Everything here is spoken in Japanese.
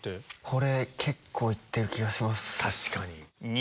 これ結構いってる気がします。